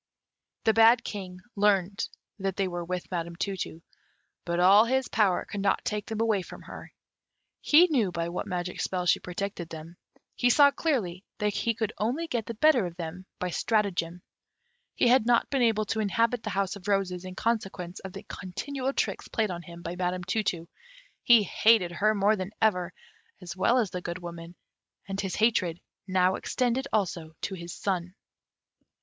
The bad King learnt that they were with Madam Tu tu, but all his power could not take them away from her. He knew by what magic spells she protected them; he saw clearly that he could only get the better of them by stratagem; he had not been able to inhabit the House of Roses in consequence of the continual tricks played on him by Madam Tu tu; he hated her more than ever, as well as the Good Woman; and his hatred now extended also to his son.